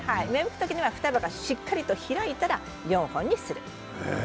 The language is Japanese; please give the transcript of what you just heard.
双葉がしっかり開いたら４本にする。